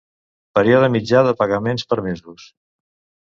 Període mitjà de pagament per mesos.